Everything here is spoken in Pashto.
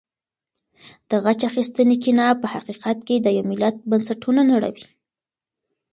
د غچ اخیستنې کینه په حقیقت کې د یو ملت بنسټونه نړوي.